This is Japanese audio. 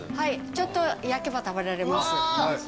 ちょっと焼けば食べられます。